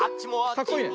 かっこいいね。